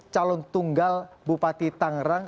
calon tunggal bupati tangerang